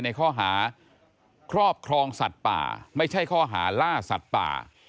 ในข้อหาครอบครองสัตว์ป่าไม่ใช่ข้อหาล่าสัตว์ป่า